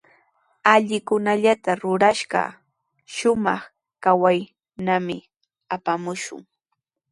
Allikunallata rurashqa, shumaq kawaymanmi apamaashun.